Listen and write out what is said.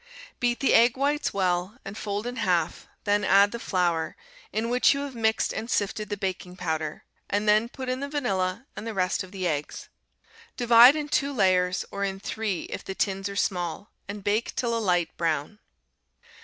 Beat the egg whites well, and fold in half, then add the flour, in which you have mixed and sifted the baking powder, and then put in the vanilla and the rest of the eggs. Divide in two layers, or in three if the tins are small, and bake till a light brown.